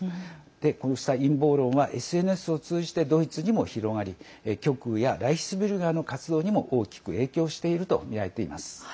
こうした陰謀論はＳＮＳを通じてドイツにも広がり極右やライヒスビュルガーの活動にも大きく影響しているとみられています。